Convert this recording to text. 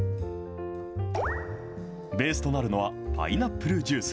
ベースとなるのは、パイナップルジュース。